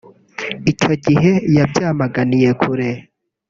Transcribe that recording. Icyo gihe yabyamaganiye kure